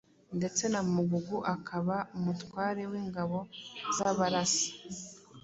ndetse na Mugugu akaba umutware w’ingabo z’Abarasa.